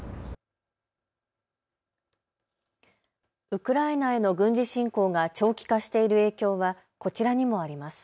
ウクライナへの軍事侵攻が長期化している影響はこちらにもあります。